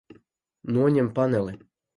Noņem paneli.